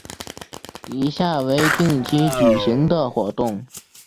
以下为定期举行的活动